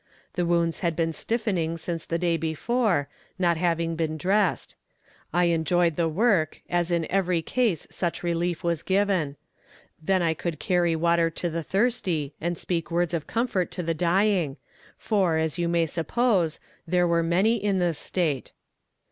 The wounds had been stiffening since the day before, not having been dressed. I enjoyed the work, as in every case such relief was given. Then I could carry water to the thirsty, and speak words of comfort to the dying; for, as you may suppose, there were many in this state."